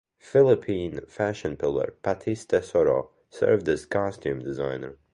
Philippine fashion pillar Patis Tesoro served as costume designer.